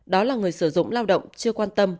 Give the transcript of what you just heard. đó là người sử dụng lao động chưa quan tâm